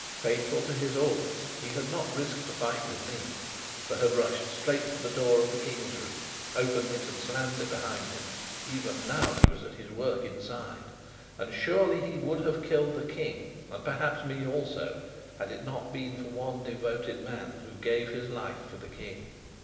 Faithful to his orders, he had not risked a fight with me, but had rushed straight to the door of the King's room, opened it and slammed it behind him. Even now he was at his work inside. And surely he would have killed the King, and perhaps me also, had it not been for one devoted man who gave his life for the King.